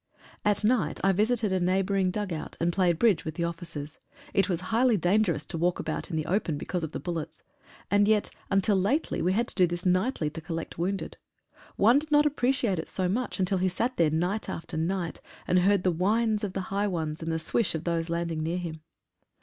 At night I visited a neighbouring dug out, and played bridge with the officers. It was highly dangerous to walk about in the open because of the bullets. And yet until lately we had to do this nightly to collect wounded. One did not appreciate it so much until he sat there night after night, and heard the whines of the high ones, and the swish of those landing near him.